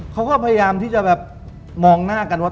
เขาก็พยายามที่จะแบบมองหน้ากันว่า